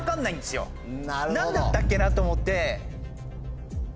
何だったっけなと思って。